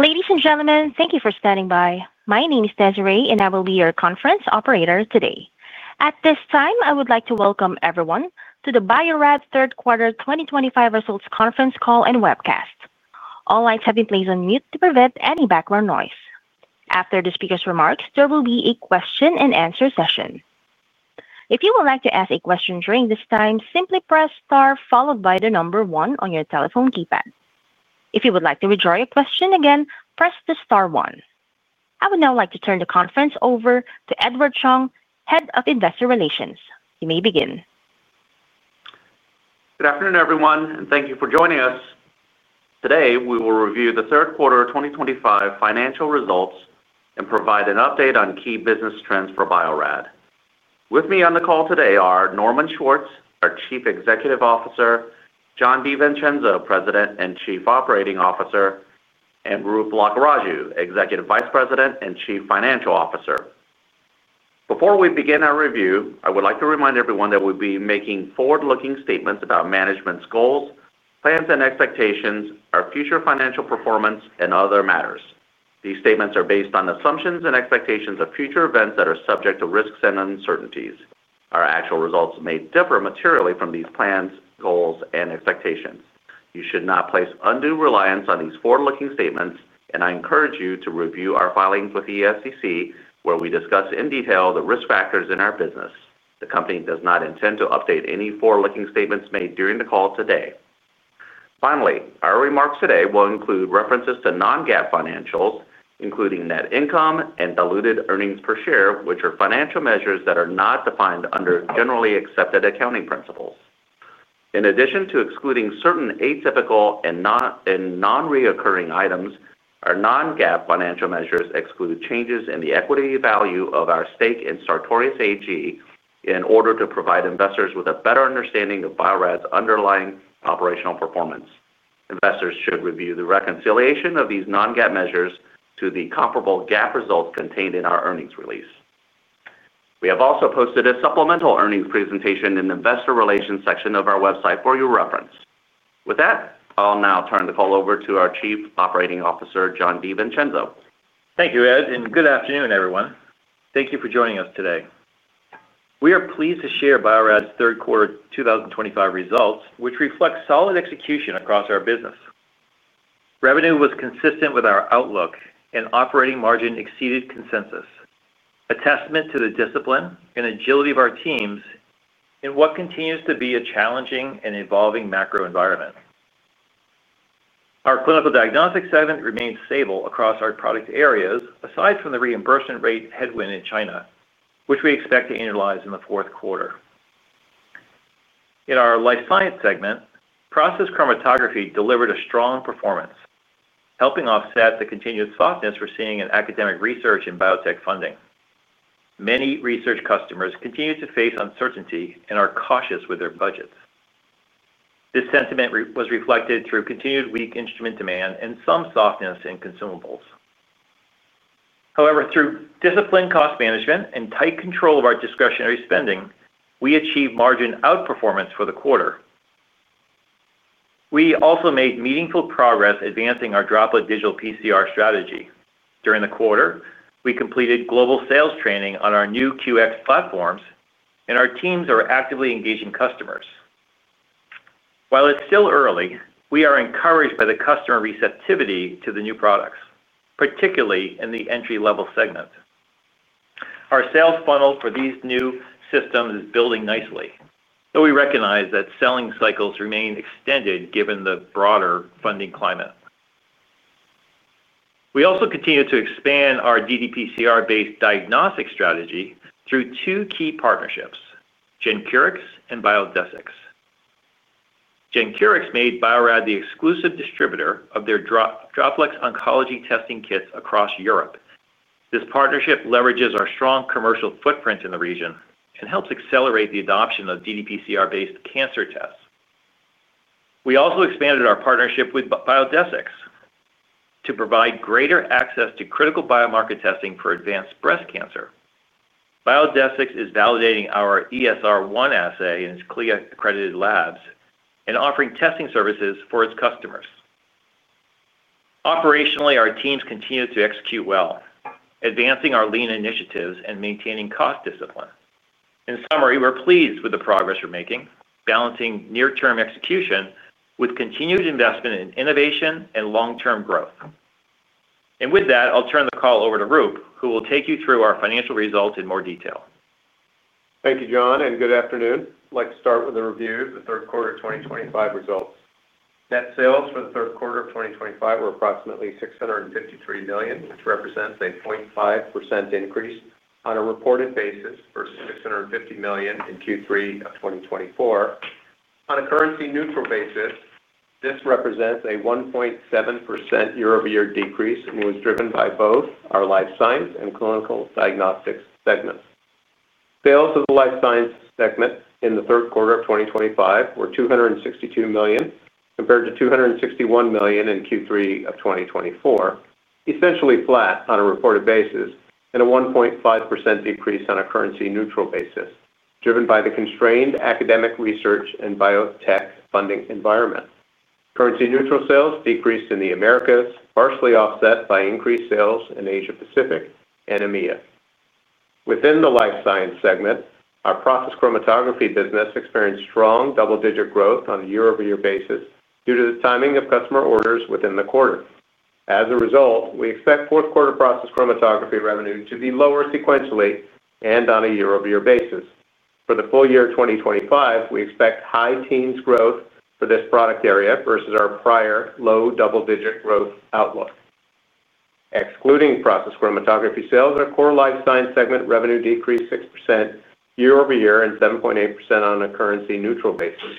Ladies and gentlemen, thank you for standing by. My name is Desiree, and I will be your conference operator today. At this time, I would like to welcome everyone to the Bio-Rad's Third Quarter 2025 Results Conference Call and Webcast. All lines have been placed on mute to prevent any background noise. After the speakers' remarks, there will be a question and answer session. If you would like to ask a question during this time, simply press star followed by the number one on your telephone keypad. If you would like to withdraw your question, again press the star one. I would now like to turn the conference over to Edward Chung, Head of Investor Relations. You may begin. Good afternoon, everyone, and thank you for joining us. Today, we will review the third quarter 2025 financial results and provide an update on key business trends for Bio-Rad. With me on the call today are Norman Schwartz, our Chief Executive Officer, Jon DiVincenzo, President and Chief Operating Officer, and Roop Lakkaraju, Executive Vice President and Chief Financial Officer. Before we begin our review, I would like to remind everyone that we'll be making forward-looking statements about management's goals, plans, and expectations, our future financial performance, and other matters. These statements are based on assumptions and expectations of future events that are subject to risks and uncertainties. Our actual results may differ materially from these plans, goals, and expectations. You should not place undue reliance on these forward-looking statements, and I encourage you to review our filings with the SEC, where we discuss in detail the risk factors in our business. The company does not intend to update any forward-looking statements made during the call today. Finally, our remarks today will include references to non-GAAP financials, including net income and diluted earnings per share, which are financial measures that are not defined under generally accepted accounting principles. In addition to excluding certain atypical and non-recurring items, our non-GAAP financial measures exclude changes in the equity value of our stake in Sartorius AG in order to provide investors with a better understanding of Bio-Rad's underlying operational performance. Investors should review the reconciliation of these non-GAAP measures to the comparable GAAP results contained in our earnings release. We have also posted a supplemental earnings presentation in the Investor Relations section of our website for your reference. With that, I'll now turn the call over to our Chief Operating Officer, Jon DiVincenzo. Thank you, Ed, and good afternoon, everyone. Thank you for joining us today. We are pleased to share Bio-Rad's third quarter 2025 results, which reflect solid execution across our business. Revenue was consistent with our outlook, and operating margin exceeded consensus, a testament to the discipline and agility of our teams in what continues to be a challenging and evolving macro environment. Our Clinical Diagnostics segment remains stable across our product areas, aside from the reimbursement rate headwind in China, which we expect to analyze in the fourth quarter. In our Life Science segment, process chromatography delivered a strong performance, helping offset the continued softness we're seeing in academic research and biotech funding. Many research customers continue to face uncertainty and are cautious with their budgets. This sentiment was reflected through continued weak instrument demand and some softness in consumables. However, through disciplined cost management and tight control of our discretionary spending, we achieved margin outperformance for the quarter. We also made meaningful progress advancing our droplet digital PCR strategy. During the quarter, we completed global sales training on our new QX platforms, and our teams are actively engaging customers. While it's still early, we are encouraged by the customer receptivity to the new products, particularly in the entry-level segment. Our sales funnel for these new systems is building nicely, though we recognize that selling cycles remain extended given the broader funding climate. We also continue to expand our DDPCR-based diagnostic strategy through two key partnerships: Gencurix and Biodesix. Gencurix made Bio-Rad the exclusive distributor of their droplets oncology testing kits across Europe. This partnership leverages our strong commercial footprint in the region and helps accelerate the adoption of DDPCR-based cancer tests. We also expanded our partnership with Biodesix to provide greater access to critical biomarker testing for advanced breast cancer. Biodesix is validating our ESR1 assay in its CLIA-accredited labs and offering testing services for its customers. Operationally, our teams continue to execute well, advancing our lean initiatives and maintaining cost discipline. In summary, we're pleased with the progress we're making, balancing near-term execution with continued investment in innovation and long-term growth. I will turn the call over to Roop, who will take you through our financial results in more detail. Thank you, Jon, and good afternoon. I'd like to start with a review of the third quarter 2025 results. Net sales for the third quarter of 2025 were approximately $653 million, which represents a 0.5% increase on a reported basis versus $650 million in Q3 of 2024. On a currency-neutral basis, this represents a 1.7% year-over-year decrease and was driven by both our Life Science and Clinical Diagnostics segments. Sales of the Life Science segment in the third quarter of 2025 were $262 million compared to $261 million in Q3 of 2024, essentially flat on a reported basis and a 1.5% decrease on a currency-neutral basis, driven by the constrained academic research and biotech funding environment. Currency-neutral sales decreased in the Americas, partially offset by increased sales in Asia-Pacific and EMEA. Within the Life Science segment, our process chromatography business experienced strong double-digit growth on a year-over-year basis due to the timing of customer orders within the quarter. As a result, we expect fourth quarter process chromatography revenue to be lower sequentially and on a year-over-year basis. For the full year 2025, we expect high teens growth for this product area versus our prior low double-digit growth outlook. Excluding process chromatography sales, our core Life Science segment revenue decreased 6% year-over-year and 7.8% on a currency-neutral basis.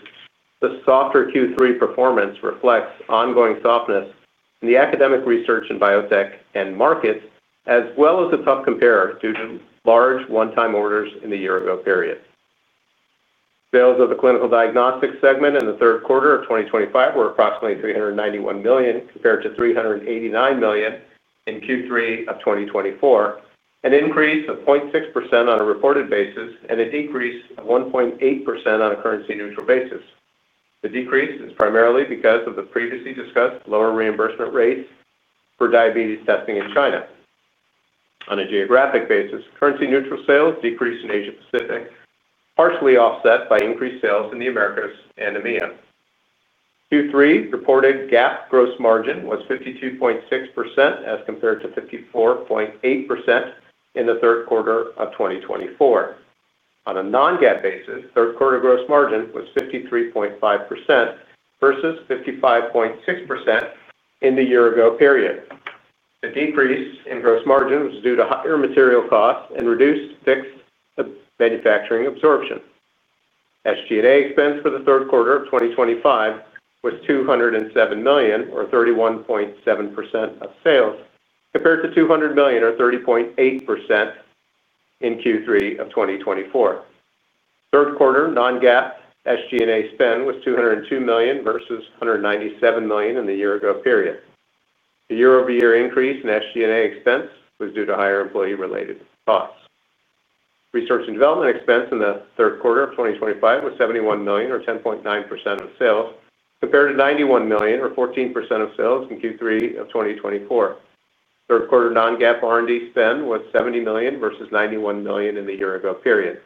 The softer Q3 performance reflects ongoing softness in the academic research and biotech markets, as well as a tough comparer due to large one-time orders in the year-ago period. Sales of the Clinical Diagnostics segment in the third quarter of 2025 were approximately $391 million compared to $389 million in Q3 of 2024, an increase of 0.6% on a reported basis and a decrease of 1.8% on a currency-neutral basis. The decrease is primarily because of the previously discussed lower reimbursement rates for diabetes testing in China. On a geographic basis, currency-neutral sales decreased in Asia-Pacific, partially offset by increased sales in the Americas and EMEA. Q3 reported GAAP gross margin was 52.6% as compared to 54.8% in the third quarter of 2024. On a non-GAAP basis, third quarter gross margin was 53.5% versus 55.6% in the year-ago period. The decrease in gross margin was due to higher material costs and reduced fixed manufacturing absorption. SG&A expense for the third quarter of 2025 was $207 million or 31.7% of sales compared to $200 million or 30.8% in Q3 of 2024. Third quarter non-GAAP SG&A spend was $202 million versus $197 million in the year-ago period. The year-over-year increase in SG&A expense was due to higher employee-related costs. Research and development expense in the third quarter of 2025 was $71 million or 10.9% of sales compared to $91 million or 14% of sales in Q3 of 2024. Third quarter non-GAAP R&D spend was $70 million versus $91 million in the year-ago period.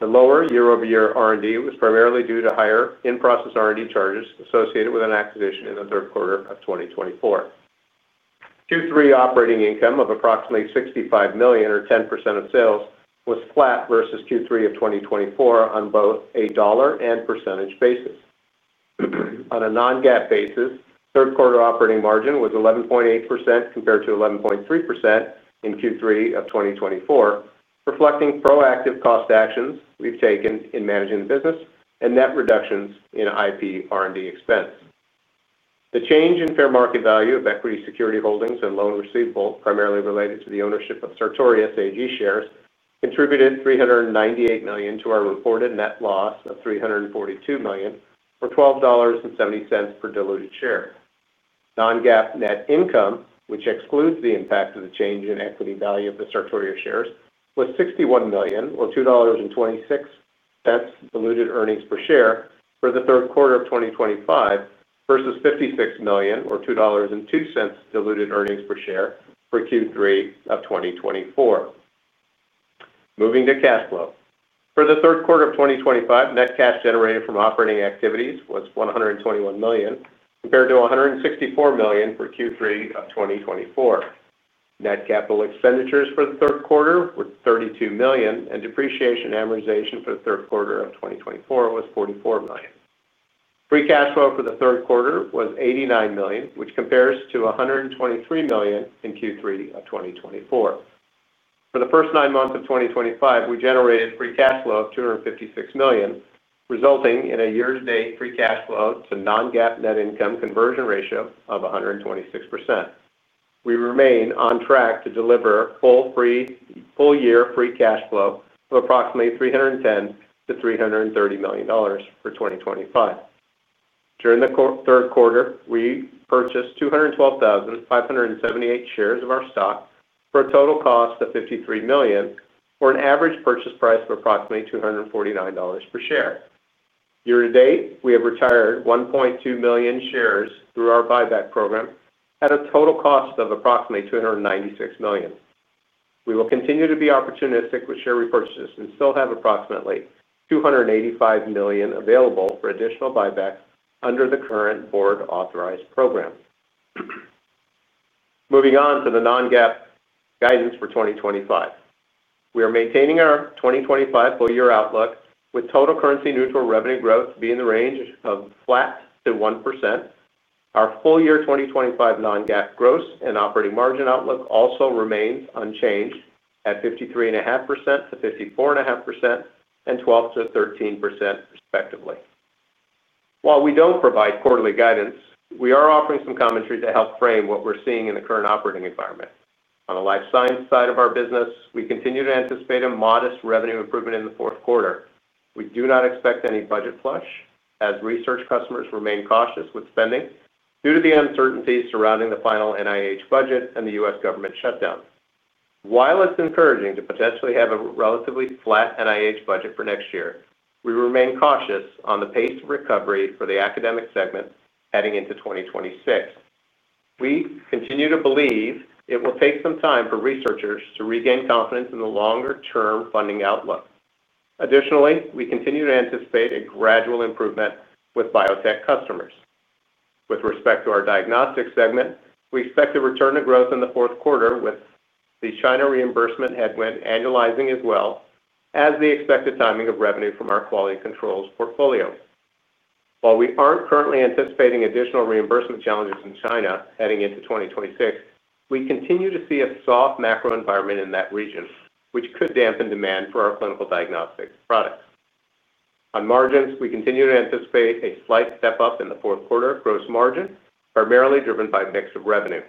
The lower year-over-year R&D was primarily due to higher in-process R&D charges associated with an acquisition in the third quarter of 2024. Q3 operating income of approximately $65 million or 10% of sales was flat versus Q3 of 2024 on both a dollar and percentage basis. On a non-GAAP basis, third quarter operating margin was 11.8% compared to 11.3% in Q3 of 2024, reflecting proactive cost actions we've taken in managing the business and net reductions in IP R&D expense. The change in fair market value of equity security holdings and loan receivables, primarily related to the ownership of Sartorius AG shares, contributed $398 million to our reported net loss of $342 million or $12.70 per diluted share. Non-GAAP net income, which excludes the impact of the change in equity value of the Sartorius shares, was $61 million or $2.26 diluted earnings per share for the third quarter of 2025 versus $56 million or $2.02 diluted earnings per share for Q3 of 2024. Moving to cash flow, for the third quarter of 2025, net cash generated from operating activities was $121 million compared to $164 million for Q3 of 2024. Net capital expenditures for the third quarter were $32 million, and depreciation amortization for the third quarter of 2024 was $44 million. Free cash flow for the third quarter was $89 million, which compares to $123 million in Q3 of 2024. For the first nine months of 2025, we generated free cash flow of $256 million, resulting in a year-to-date free cash flow to non-GAAP net income conversion ratio of 126%. We remain on track to deliver full-year free cash flow of approximately $310-$330 million for 2025. During the third quarter, we purchased 212,578 shares of our stock for a total cost of $53 million or an average purchase price of approximately $249 per share. Year-to-date, we have retired 1.2 million shares through our buyback program at a total cost of approximately $296 million. We will continue to be opportunistic with share repurchases and still have approximately $285 million available for additional buybacks under the current board-authorized program. Moving on to the non-GAAP guidance for 2025, we are maintaining our 2025 full-year outlook with total currency-neutral revenue growth being in the range of flat to 1%. Our full-year 2025 non-GAAP gross and operating margin outlook also remains unchanged at 53.5%-54.5% and 12%-13% respectively. While we don't provide quarterly guidance, we are offering some commentary to help frame what we're seeing in the current operating environment. On the Life Science side of our business, we continue to anticipate a modest revenue improvement in the fourth quarter. We do not expect any budget flush as research customers remain cautious with spending due to the uncertainties surrounding the final NIH budget and the U.S. government shutdown. While it's encouraging to potentially have a relatively flat NIH budget for next year, we remain cautious on the pace of recovery for the academic segment heading into 2026. We continue to believe it will take some time for researchers to regain confidence in the longer-term funding outlook. Additionally, we continue to anticipate a gradual improvement with biotech customers. With respect to our diagnostics segment, we expect to return to growth in the fourth quarter with the China reimbursement headwind annualizing as well as the expected timing of revenue from our quality controls portfolios. While we aren't currently anticipating additional reimbursement challenges in China heading into 2026, we continue to see a soft macro environment in that region, which could dampen demand for our Clinical Diagnostics products. On margins, we continue to anticipate a slight step up in the fourth quarter gross margin, primarily driven by mixed revenue.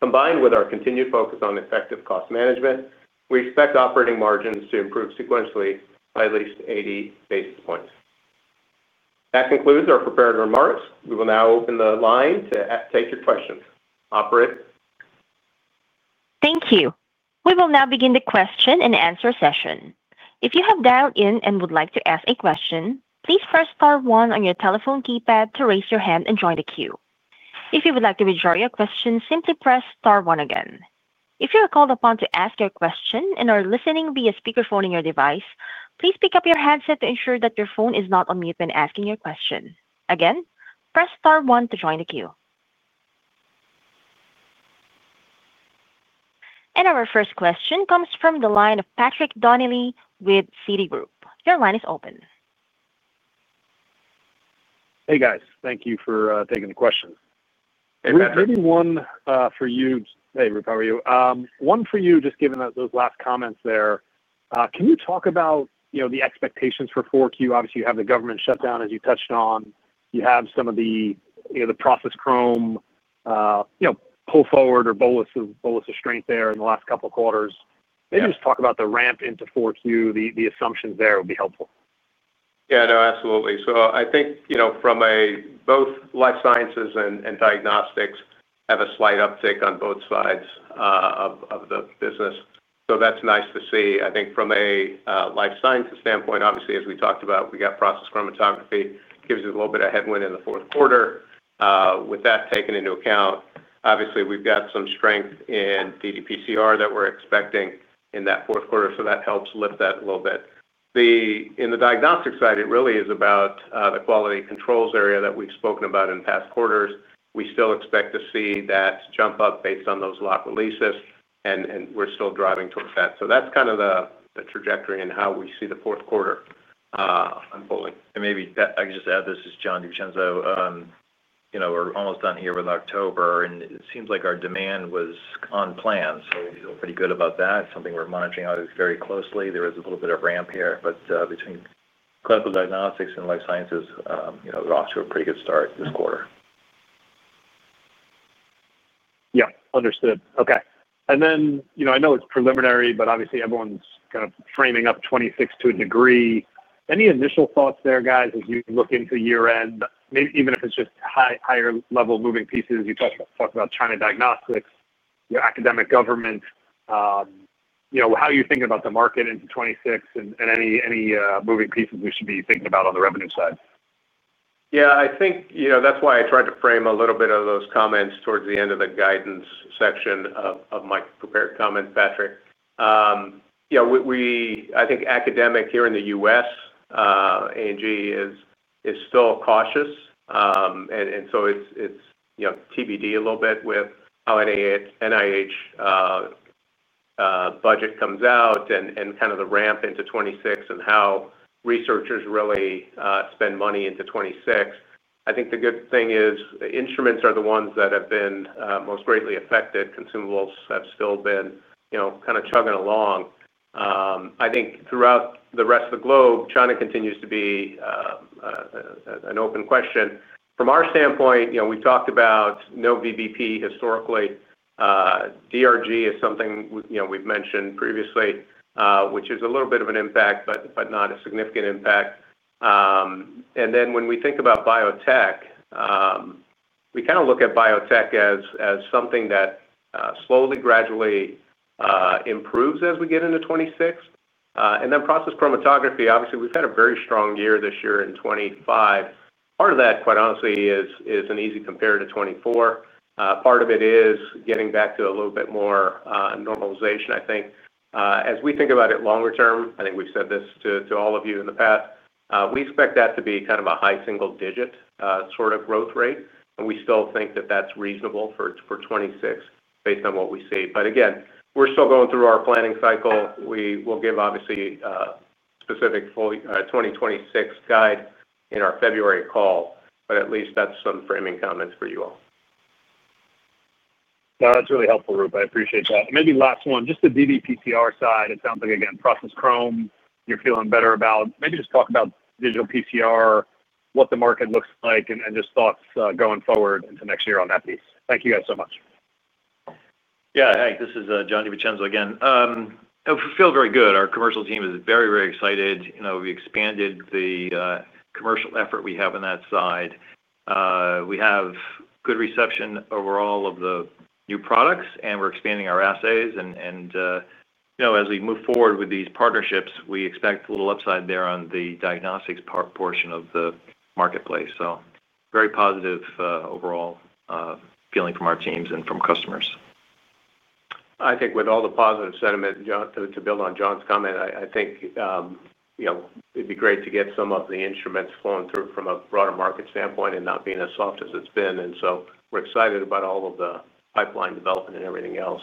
Combined with our continued focus on effective cost management, we expect operating margins to improve sequentially by at least 80 basis points. That concludes our prepared remarks. We will now open the line to take your questions. Operator. Thank you. We will now begin the question and answer session. If you have dialed in and would like to ask a question, please press star one on your telephone keypad to raise your hand and join the queue. If you would like to withdraw your question, simply press star one again. If you are called upon to ask your question and are listening via speakerphone on your device, please pick up your headset to ensure that your phone is not on mute when asking your question. Again, press star one to join the queue. Our first question comes from the line of Patrick Donnelly with Citigroup. Your line is open. Thank you for taking the question. Hey, Patrick. Maybe one for you. Hey, Roop, how are you? One for you, just given those last comments there. Can you talk about the expectations for Q4? Obviously, you have the government shutdown, as you touched on. You have some of the process chrom pull forward or bolus of strength there in the last couple of quarters. Maybe just talk about the ramp into Q4, the assumptions there would be helpful. Yeah, no, absolutely. I think from both Life Sciences and Diagnostics, there is a slight uptick on both sides of the business, so that's nice to see. I think from a Life Sciences standpoint, obviously, as we talked about, we got process chromatography. It gives you a little bit of headwind in the fourth quarter. With that taken into account, obviously, we've got some strength in DDPCR that we're expecting in that fourth quarter, so that helps lift that a little bit. In the Diagnostics side, it really is about the quality controls area that we've spoken about in past quarters. We still expect to see that jump up based on those lock releases, and we're still driving towards that. That's kind of the trajectory and how we see the fourth quarter unfolding. This is Jon DiVincenzo. We're almost done here with October, and it seems like our demand was on plan. We feel pretty good about that. It's something we're monitoring very closely. There is a little bit of ramp here, but between Clinical Diagnostics and Life Sciences, we're off to a pretty good start this quarter. Yeah, understood. Okay. I know it's preliminary, but obviously, everyone's kind of framing up Q4 to a degree. Any initial thoughts there, guys, as you look into year-end, maybe even if it's just higher-level moving pieces? You talked about China diagnostics, your academic government. You know, how are you thinking about the market into 2026 and any moving pieces we should be thinking about on the revenue side? Yeah, I think you know that's why I tried to frame a little bit of those comments towards the end of the guidance section of my prepared comment, Patrick. I think academic here in the U.S., ANG is still cautious, and so it's TBD a little bit with how NIH budget comes out and kind of the ramp into 2026 and how researchers really spend money into 2026. I think the good thing is instruments are the ones that have been most greatly affected. Consumables have still been kind of chugging along. I think throughout the rest of the globe, China continues to be an open question. From our standpoint, you know, we've talked about no VBP historically. DRG is something we've mentioned previously, which is a little bit of an impact, but not a significant impact. When we think about biotech, we kind of look at biotech as something that slowly, gradually improves as we get into 2026. Process chromatography, obviously, we've had a very strong year this year in 2025. Part of that, quite honestly, is an easy comparator to 2024. Part of it is getting back to a little bit more normalization, I think. As we think about it longer term, I think we've said this to all of you in the past, we expect that to be kind of a high single-digit sort of growth rate. We still think that that's reasonable for 2026 based on what we see. Again, we're still going through our planning cycle. We will give, obviously, a specific full 2026 guide in our February call, but at least that's some framing comments for you all. No, that's really helpful, Roop. I appreciate that. Maybe last one, just the DDPCR side, it sounds like, again, process chrom, you're feeling better about. Maybe just talk about digital PCR, what the market looks like, and just thoughts going forward into next year on that piece. Thank you guys so much. Yeah, hi. This is Jon DiVincenzo again. I feel very good. Our commercial team is very, very excited. We expanded the commercial effort we have on that side. We have good reception over all of the new products, and we're expanding our assays. As we move forward with these partnerships, we expect a little upside there on the diagnostics portion of the marketplace. Very positive overall feeling from our teams and from customers. I think with all the positive sentiment, to build on Jon's comment, I think it'd be great to get some of the instruments flowing through from a broader market standpoint and not being as soft as it's been. We're excited about all of the pipeline development and everything else.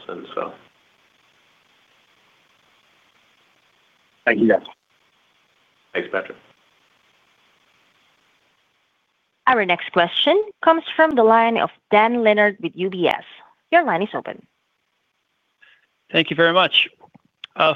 Thank you, guys. Thanks, Patrick. Our next question comes from the line of Dan Leonard with UBS. Your line is open. Thank you very much.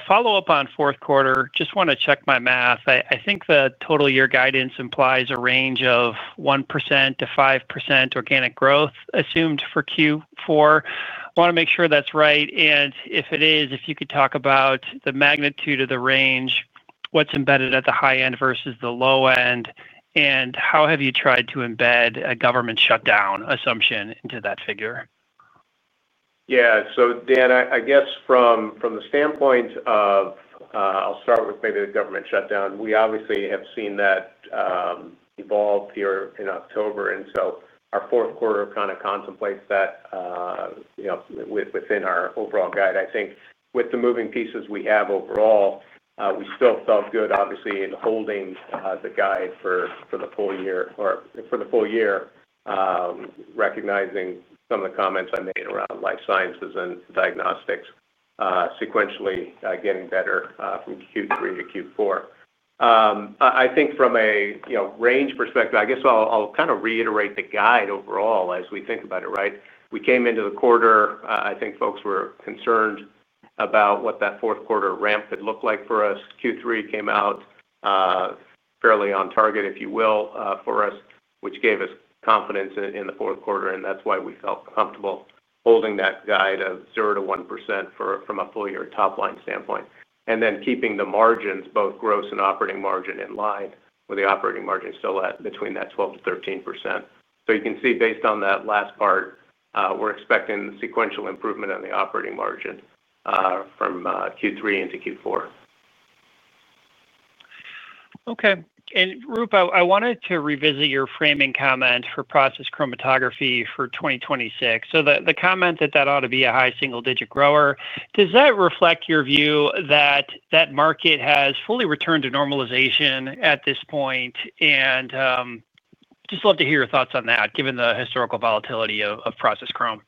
Follow-up on fourth quarter, just want to check my math. I think the total year guidance implies a range of 1%-5% organic growth assumed for Q4. I want to make sure that's right. If it is, if you could talk about the magnitude of the range, what's embedded at the high end versus the low end, and how have you tried to embed a government shutdown assumption into that figure? Yeah. Dan, I guess from the standpoint of I'll start with maybe the government shutdown. We obviously have seen that evolve here in October, and our fourth quarter kind of contemplates that within our overall guide. I think with the moving pieces we have overall, we still felt good, obviously, in holding the guide for the full year, recognizing some of the comments I made around Life Sciences and Diagnostics sequentially getting better from Q3 to Q4. I think from a range perspective, I'll kind of reiterate the guide overall as we think about it, right? We came into the quarter, I think folks were concerned about what that fourth quarter ramp could look like for us. Q3 came out fairly on target, if you will, for us, which gave us confidence in the fourth quarter. That's why we felt comfortable holding that guide of 0%-1% from a full year top line standpoint, and then keeping the margins, both gross and operating margin, in line where the operating margin is still at between that 12%-13%. You can see based on that last part, we're expecting sequential improvement on the operating margin from Q3 into Q4. Okay. Roop, I wanted to revisit your framing comment for process chromatography for 2026. The comment that that ought to be a high single-digit grower, does that reflect your view that that market has fully returned to normalization at this point? I'd just love to hear your thoughts on that, given the historical volatility of process chrom.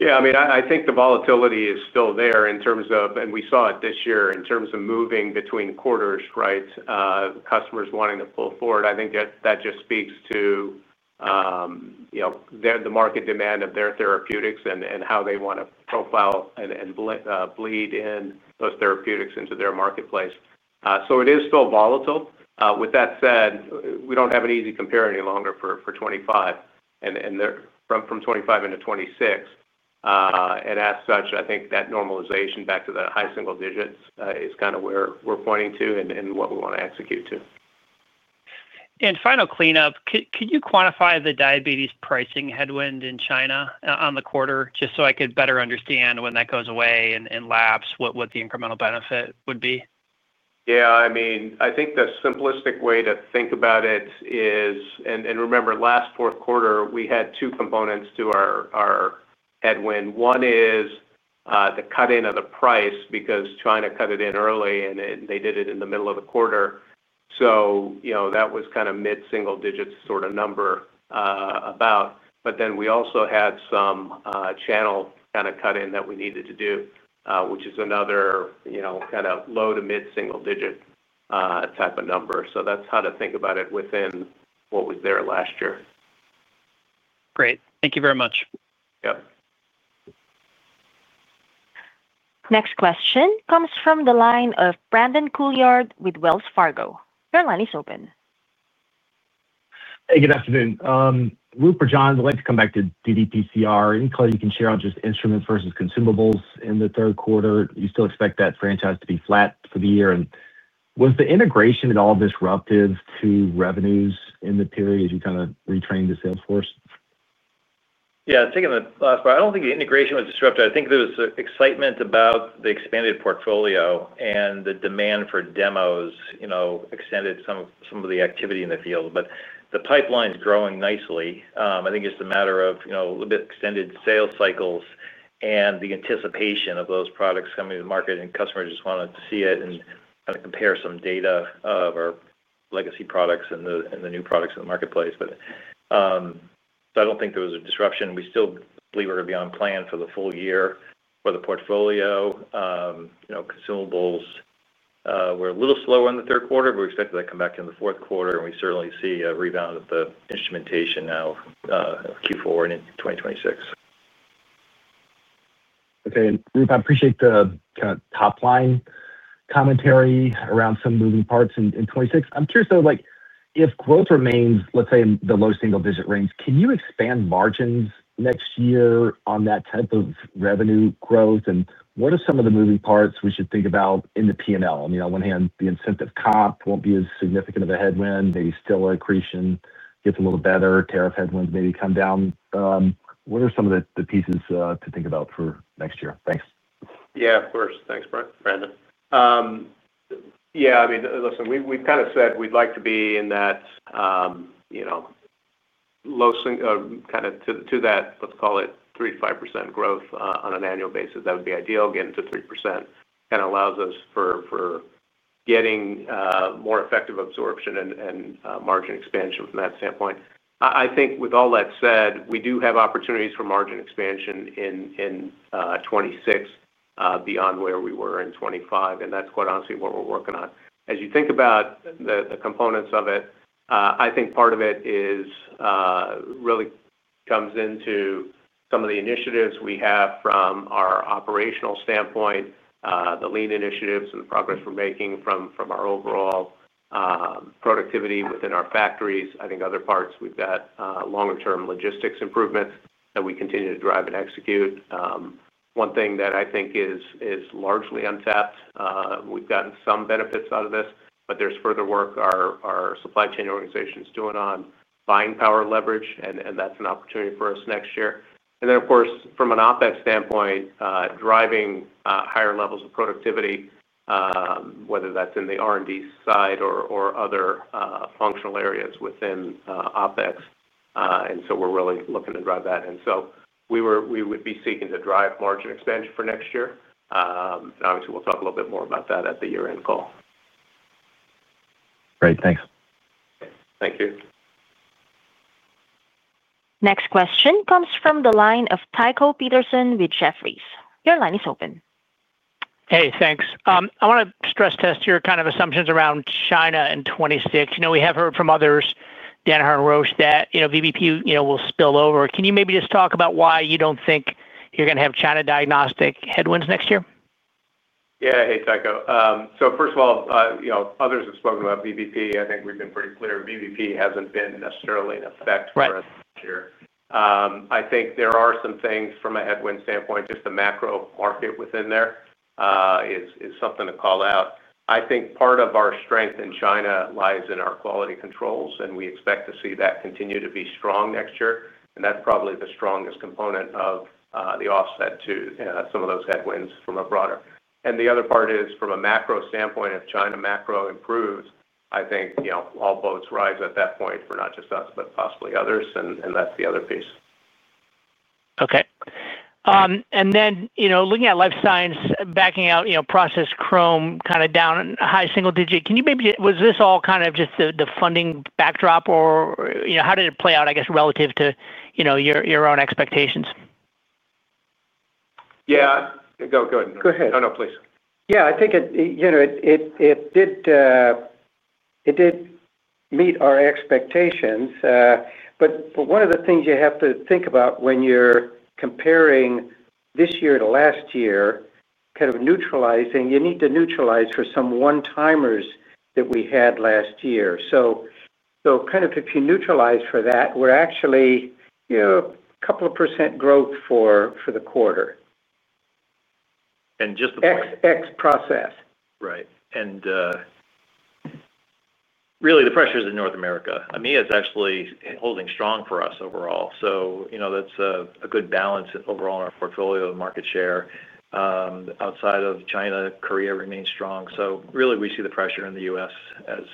Yeah, I mean, I think the volatility is still there in terms of, and we saw it this year, in terms of moving between quarters, right? Customers wanting to pull forward. I think that just speaks to the market demand of their therapeutics and how they want to profile and bleed in those therapeutics into their marketplace. It is still volatile. With that said, we don't have an easy comparator any longer for 2025 and from 2025 into 2026. As such, I think that normalization back to the high single digits is kind of where we're pointing to and what we want to execute to. Could you quantify the diabetes pricing headwind in China on the quarter, just so I could better understand when that goes away and lapse what the incremental benefit would be? Yeah, I mean, I think the simplistic way to think about it is, and remember last fourth quarter, we had two components to our headwind. One is the cut-in of the price because China cut it in early and they did it in the middle of the quarter. That was kind of mid-single digits sort of number about. We also had some channel kind of cut-in that we needed to do, which is another kind of low to mid-single digit type of number. That's how to think about it within what was there last year. Great. Thank you very much. Yep. Next question comes from the line of Brandon Couillard with Wells Fargo. Your line is open. Hey, good afternoon. Roop or Jon, I'd like to come back to DDPCR, including share of just instruments versus consumables in the third quarter. You still expect that franchise to be flat for the year. Was the integration at all disruptive to revenues in the period as you kind of retrain the sales force? Yeah, I was thinking the last part. I don't think the integration was disruptive. I think there was excitement about the expanded portfolio and the demand for demos extended some of the activity in the field. The pipeline is growing nicely. I think it's just a matter of a little bit extended sales cycles and the anticipation of those products coming to the market. Customers just want to see it and kind of compare some data of our legacy products and the new products in the marketplace. I don't think there was a disruption. We still believe we're going to be on plan for the full year for the portfolio. Consumables were a little slow in the third quarter, but we expect that to come back in the fourth quarter. We certainly see a rebound of the instrumentation now, Q4 and in 2026. Okay. Roop, I appreciate the kind of top line commentary around some moving parts in 2026. I'm curious, though, like if growth remains, let's say, in the low single-digit range, can you expand margins next year on that type of revenue growth? What are some of the moving parts we should think about in the P&L? I mean, on one hand, the incentive comp won't be as significant of a headwind. Maybe still a creation gets a little better. Tariff headwinds maybe come down. What are some of the pieces to think about for next year? Thanks. Yeah, of course. Thanks, Brandon. Yeah, I mean, listen, we've kind of said we'd like to be in that low kind of to that, let's call it 3%-5% growth on an annual basis. That would be ideal. Getting to 3% kind of allows us for getting more effective absorption and margin expansion from that standpoint. I think with all that said, we do have opportunities for margin expansion in 2026 beyond where we were in 2025. That's quite honestly what we're working on. As you think about the components of it, I think part of it really comes into some of the initiatives we have from our operational standpoint, the lean initiatives and the progress we're making from our overall productivity within our factories. I think other parts we've got longer-term logistics improvements that we continue to drive and execute. One thing that I think is largely untapped, we've gotten some benefits out of this, but there's further work our supply chain organization is doing on buying power leverage, and that's an opportunity for us next year. Of course, from an OpEx standpoint, driving higher levels of productivity, whether that's in the R&D side or other functional areas within OpEx. We're really looking to drive that. We would be seeking to drive margin expansion for next year. Obviously, we'll talk a little bit more about that at the year-end call. Great. Thanks. Thank you. Next question comes from the line of Tycho Peterson with Jefferies. Your line is open. Hey, thanks. I want to stress test your kind of assumptions around China in 2026. You know, we have heard from others, Dan Harnroesch, that you know VBP will spill over. Can you maybe just talk about why you don't think you're going to have China diagnostic headwinds next year? Yeah. Hey, Tycho. First of all, others have spoken about VBP. I think we've been pretty clear. VBP hasn't been necessarily an effect for us this year. I think there are some things from a headwind standpoint, just the macro market within there is something to call out. I think part of our strength in China lies in our quality controls, and we expect to see that continue to be strong next year. That's probably the strongest component of the offset to some of those headwinds from a broader. The other part is from a macro standpoint, if China macro improves, I think all boats rise at that point for not just us, but possibly others. That's the other piece. Okay. Looking at Life Science, backing out process chrom kind of down in high single digit, can you maybe, was this all kind of just the funding backdrop, or how did it play out, I guess, relative to your own expectations? Go ahead. Go ahead. Oh, no, please. I think it did meet our expectations. One of the things you have to think about when you're comparing this year to last year, you need to neutralize for some one-timers that we had last year. If you neutralize for that, we're actually a couple of percent growth for the quarter. Just the. X process. Right. Really, the pressure is in North America. EMEA is actually holding strong for us overall. That's a good balance overall in our portfolio and market share. Outside of China, Korea remains strong. We see the pressure in the U.S. as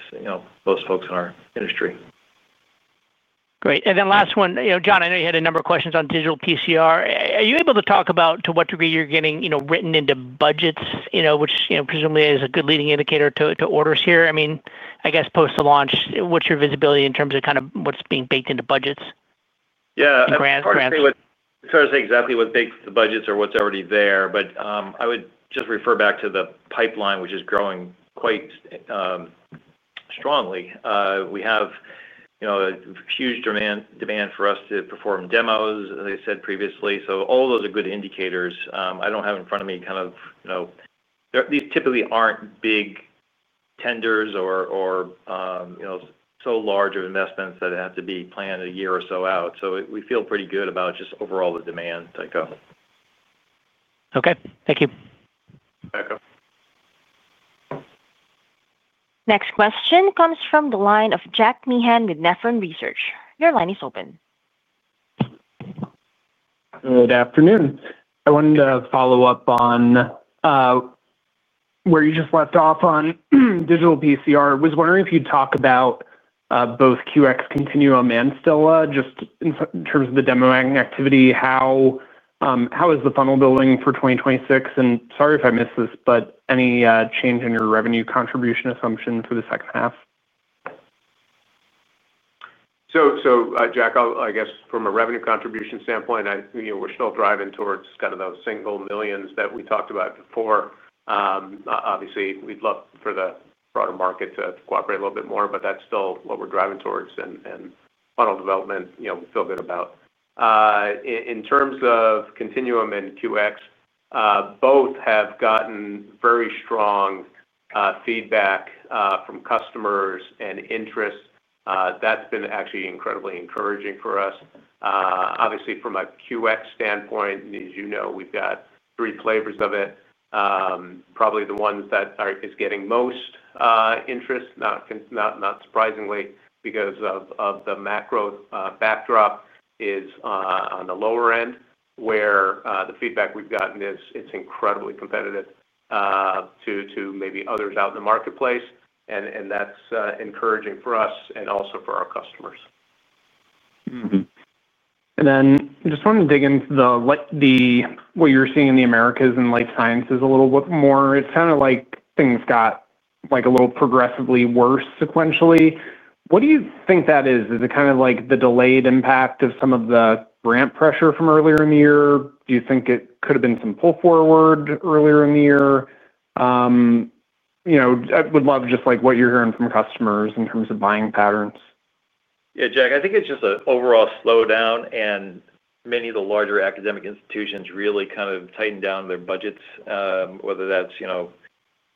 most folks in our industry. Great. Last one, Jon, I know you had a number of questions on digital PCR. Are you able to talk about to what degree you're getting written into budgets, which presumably is a good leading indicator to orders here? I guess post the launch, what's your visibility in terms of kind of what's being baked into budgets? I would say exactly what bakes the budgets or what's already there. I would just refer back to the pipeline, which is growing quite strongly. We have a huge demand for us to perform demos, as I said previously. All of those are good indicators. I don't have in front of me kind of, you know, these typically aren't big tenders or so large of investments that have to be planned a year or so out. We feel pretty good about just overall the demand, Tycho. Okay, thank you. Tycho. Next question comes from the line of Jack Meehan with Nephron Research. Your line is open. Good afternoon. I wanted to follow up on where you just left off on digital PCR. I was wondering if you'd talk about both QX Continuum and Stilla, just in terms of the demo activity. How is the funnel building for 2026? Sorry if I missed this, but any change in your revenue contribution assumption for the second half? From a revenue contribution standpoint, we're still driving towards kind of those single millions that we talked about before. Obviously, we'd love for the broader market to cooperate a little bit more, but that's still what we're driving towards. Funnel development, we feel good about. In terms of Continuum and QX, both have gotten very strong feedback from customers and interest. That's been actually incredibly encouraging for us. Obviously, from a QX standpoint, as you know, we've got three flavors of it. Probably the ones that are getting most interest, not surprisingly, because of the macro backdrop, is on the lower end, where the feedback we've gotten is it's incredibly competitive to maybe others out in the marketplace. That's encouraging for us and also for our customers. Mm-hmm. I just wanted to dig into what you're seeing in the Americas and Life Sciences a little bit more. It's kind of like things got a little progressively worse sequentially. What do you think that is? Is it kind of like the delayed impact of some of the grant pressure from earlier in the year? Do you think it could have been some pull forward earlier in the year? I would love just what you're hearing from customers in terms of buying patterns. Yeah, Jack, I think it's just an overall slowdown, and many of the larger academic institutions really kind of tightened down their budgets, whether that's, you know,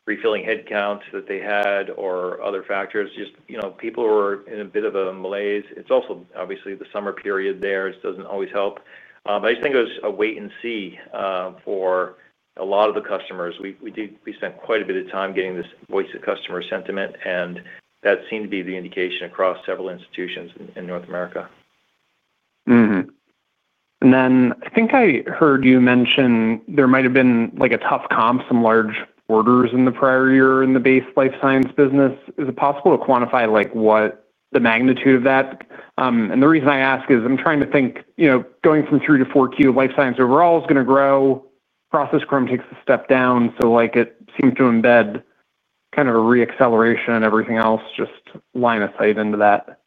refilling headcount that they had or other factors. People were in a bit of a malaise. It's also, obviously, the summer period there. It doesn't always help. I just think it was a wait and see for a lot of the customers. We did spend quite a bit of time getting this voice of customer sentiment, and that seemed to be the indication across several institutions in North America. I think I heard you mention there might have been a tough comp, some large orders in the prior year in the base Life Science business. Is it possible to quantify what the magnitude of that is? The reason I ask is I'm trying to think, going from Q3 to Q4, Life Science overall is going to grow, process chromatography takes a step down. It seemed to embed kind of a re-acceleration in everything else, just line of sight into that.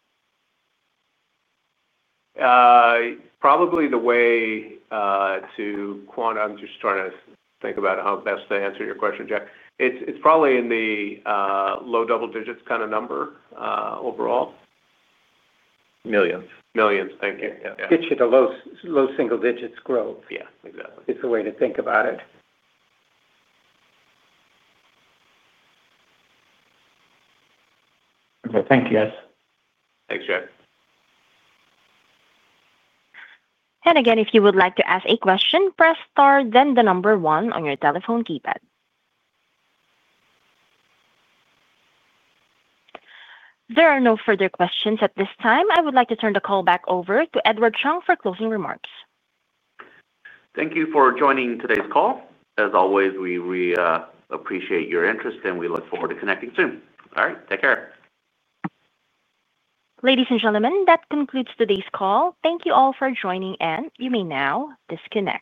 Probably the way to quantify, I'm just trying to think about how best to answer your question, Jack. It's probably in the low double digits kind of number overall. Millions. Millions. Thank you. Yeah, get you to low single digits growth. Yeah, exactly. Is the way to think about it. Okay, thank you, guys. Thanks, Jack. If you would like to ask a question, press star then the number one on your telephone keypad. There are no further questions at this time. I would like to turn the call back over to Edward Chung for closing remarks. Thank you for joining today's call. As always, we appreciate your interest, and we look forward to connecting soon. All right, take care. Ladies and gentlemen, that concludes today's call. Thank you all for joining, and you may now disconnect.